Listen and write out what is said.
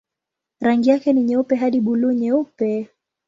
Rangi yake ni nyeupe hadi buluu-nyeupe.